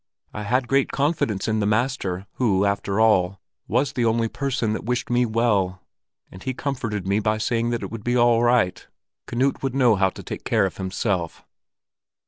I had great confidence in the master, who, after all, was the only person that wished me well; and he comforted me by saying that it would be all right: Knut would know how to take care of himself."